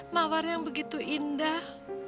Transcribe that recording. mawar yang begitu indah